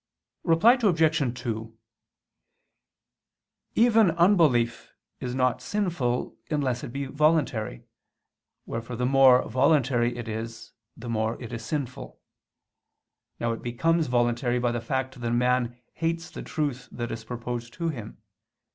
Reply Obj. 2: Even unbelief is not sinful unless it be voluntary: wherefore the more voluntary it is, the more it is sinful. Now it becomes voluntary by the fact that a man hates the truth that is proposed to him.